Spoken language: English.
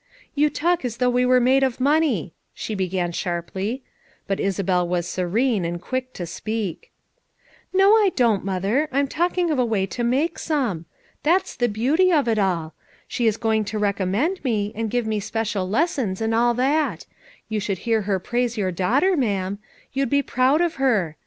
"You talk as though we were made of money," she began sharply. But Isabel was serene, and quick to speak, "No, Pdon't, Mother; I'm talking of a way to make some. That 's the beauty of it all. She is going to recommend me, and give me special les sons and all that; you should hear her praise your daughter, ma'am; you'd be proud of her.